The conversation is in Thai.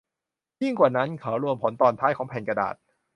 ยิ่งกว่านั้น เขารวมผลตอนท้ายของแผ่นกระดาษ